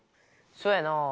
そやな。